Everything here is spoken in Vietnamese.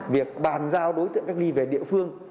việc bàn giao đối tượng cách ly về địa phương